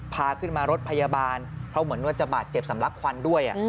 พาขึ้นมารถพยาบาลเพราะเหมือนว่าจะบาดเจ็บสำลักควันด้วย